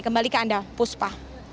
kembali ke anda puspa